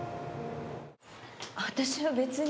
私は別に。